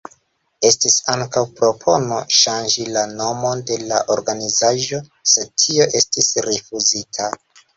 Estis ankaŭ propono ŝanĝi la nomon de la organizaĵo, sed tio estis rifuzita.